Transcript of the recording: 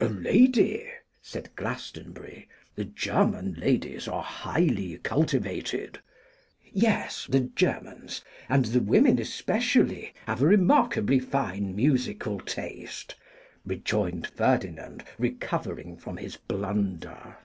'A lady!' said Glastonbury. 'The German ladies are highly cultivated.' 'Yes! the Germans, and the women especially, have a remarkably fine musical taste,' rejoined Ferdinand, recovering from his blunder.